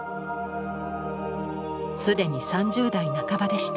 すでに３０代半ばでした。